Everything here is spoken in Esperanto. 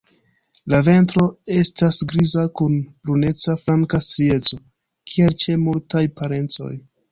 La ventro estas griza kun bruneca flanka strieco, kiel ĉe multaj parencoj.